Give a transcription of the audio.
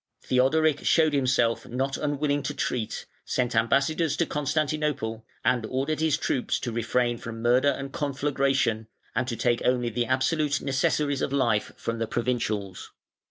Theodoric showed himself not unwilling to treat, sent ambassadors to Constantinople, and ordered his troops to refrain from murder and conflagration, and to take only the absolute necessaries of life from the provincials.